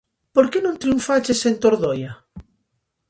Por que non triunfaches en Tordoia?